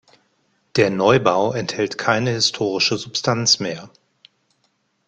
Der Neubau enthält keine historische Substanz mehr.